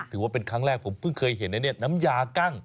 ถือว่าเป็นครั้งแรกผมเพิ่งเคยเห็นนะเนี่ยน้ำยากั้ง